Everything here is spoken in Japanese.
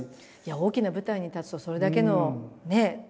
大きな舞台に立つとそれだけのね。